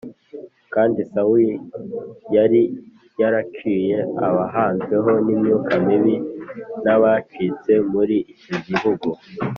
kandi sawuli yari yaraciye abahanzweho n’imyuka mibi n’abashitsi muri icyo gihugu